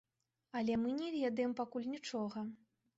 Але мы не ведаем пакуль нічога.